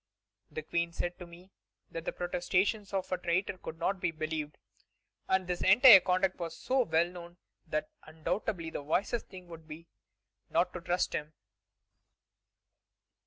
The Queen said to me that the protestations of a traitor could not be believed, and that his entire conduct was so well known that undoubtedly the wisest thing would be not to trust him."